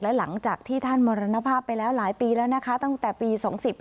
และหลังจากที่ท่านมรณภาพไปแล้วหลายปีแล้วนะคะตั้งแต่ปี๒๕๕